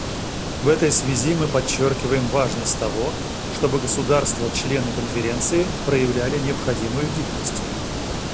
В этой связи мы подчеркиваем важность того, чтобы государства — члены Конференции проявляли необходимую гибкость.